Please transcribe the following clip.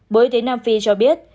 bộ y tế nam phi cho biết